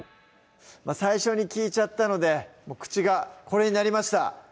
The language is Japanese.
最初に聞いちゃったので口がこれになりました